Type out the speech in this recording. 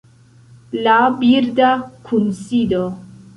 La birda kunsido